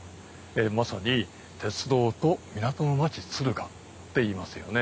まさに鉄道と港の町敦賀って言いますよね。